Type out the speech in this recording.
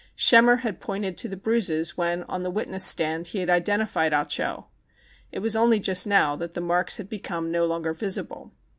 Schemmer had j pointed to the bruises when, on the witness stand, he had identified Ah Cho. It was only just now that the marks had become no longer visible.